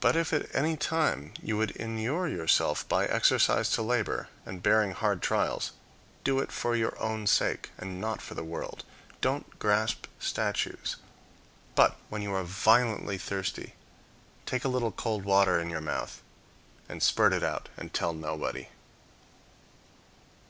But if at any time you would inure yourself by exercise to labor, and bearing hard trials, do it for your own sake, and not for the world; don't grasp statues, but, when you are violently thirsty, take a little cold water in your mouth, and spurt it out and tell nobody.